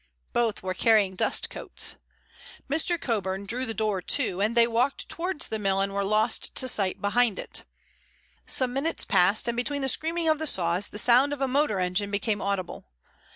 Both were carrying dust coats. Mr. Coburn drew the door to, and they walked towards the mill and were lost to sight behind it. Some minutes passed, and between the screaming of the saws the sound of a motor engine became audible.